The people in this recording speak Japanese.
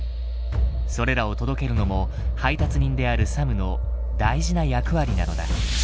それらを届けるのも配達人であるサムの大事な役割なのだ。